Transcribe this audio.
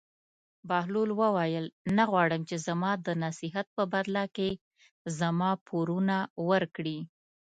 بهلول وویل: نه غواړم چې زما د نصیحت په بدله کې زما پورونه ورکړې.